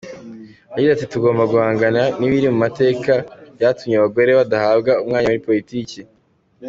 Yagize ati “Tugomba guhangana n’ibiri mu mateka byatumye abagore badahabwa umwanya muri politiki.